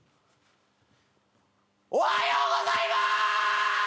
おはようございまーす！